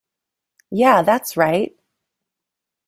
Yeah, that's right!.